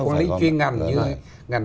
quản lý chuyên ngành như ngành